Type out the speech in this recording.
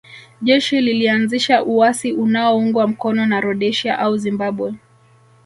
Jeshi lilianzisha uasi unaoungwa mkono na Rhodesia au Zimbabwe